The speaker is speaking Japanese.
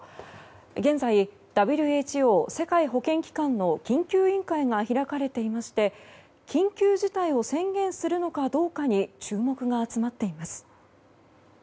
現在、ＷＨＯ・世界保健機関の緊急委員会が開かれていまして緊急事態を宣言するのかどうかに注目が集まっています。